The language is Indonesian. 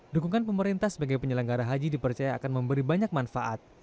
dukungan pemerintah sebagai penyelenggara haji dipercaya akan memberi banyak manfaat